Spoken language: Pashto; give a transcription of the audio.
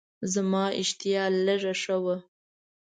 زما اشتها لږه ښه وه.